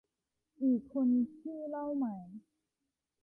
อีกคนชื่อเล่าใหม่